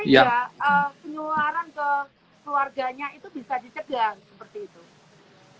sehingga penularan ke keluarganya itu bisa dicegah seperti itu